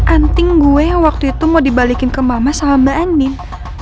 anting gue waktu itu mau dibalikin ke mama sama mbak andi